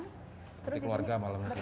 seperti keluarga malah mungkin